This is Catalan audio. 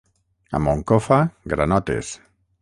A Moncofa, granotes.